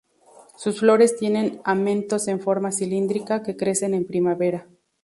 Sus flores tienen amentos en forma cilíndrica, que crecen en primavera.